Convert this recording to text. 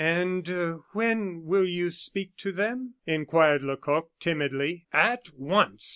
"And when will you speak to them?" inquired Lecoq, timidly. "At once."